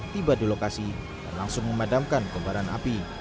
tiba di lokasi dan langsung memadamkan kebaran api